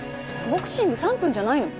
ボクシング３分じゃないの？